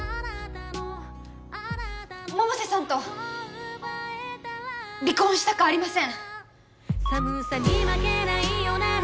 百瀬さんと離婚したくありません